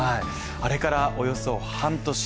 あれから、およそ半年。